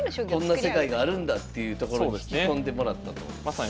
こんな世界があるんだっていうところに引き込んでもらったと。